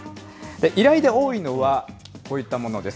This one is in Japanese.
依頼で多いのは、こういったものです。